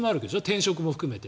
転職も含めて。